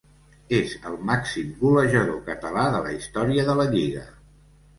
És el màxim golejador català de la història de la lliga.